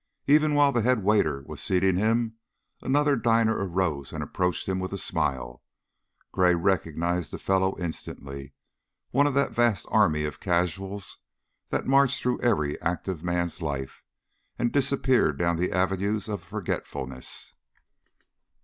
Even while the head waiter was seating him, another diner arose and approached him with a smile. Gray recognized the fellow instantly one of that vast army of casuals that march through every active man's life and disappear down the avenues of forgetfulness.